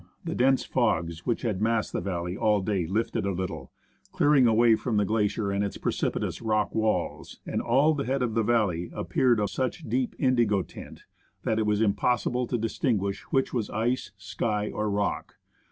the dense fogs which had masked the valley all day lifted a little, clearing away from the glacier and its precipitous rock walls, and all the head of the valley appeared of such a deep indigo tint, that it was impossible to distinguish which was ice, sky, or rock.